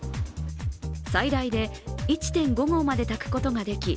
最大で１．５合まで炊くことができ